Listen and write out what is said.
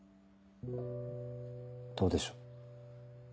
どうでしょう？